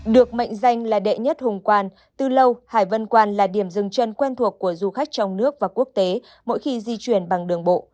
được mệnh danh là đệ nhất hùng quan từ lâu hải vân quan là điểm dừng chân quen thuộc của du khách trong nước và quốc tế mỗi khi di chuyển bằng đường bộ